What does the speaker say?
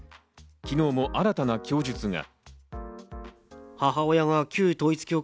昨日も新たな供述が。